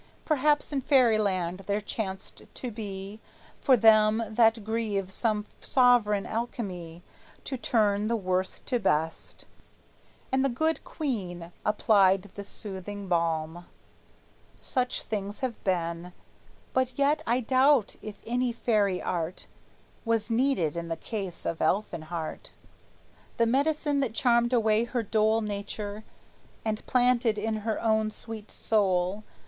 Perhaps in Fairyland there chanced to be For them that grieve some sovereign alchemy To turn the worst to best, and the good queen Applied this soothing balm. Such things have been; But yet I doubt if any fairy art Was needed in the case of Elfinhart; The medicine that charmed away her dole Nature had planted in her own sweet soul.